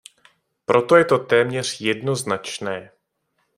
Proto je to téměř jednoznačné.